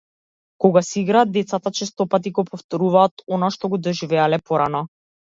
Кога си играат, децата честопати го повторуваат она што го доживеале порано.